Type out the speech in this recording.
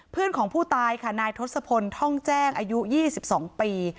เพื่อนของผู้ตายค่ะนายทศพลท่องแจ้งอายุ๒๒ปี